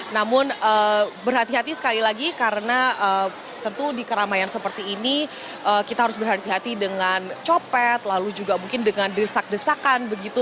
namun berhati hati sekali lagi karena tentu di keramaian seperti ini kita harus berhati hati dengan copet lalu juga mungkin dengan desak desakan begitu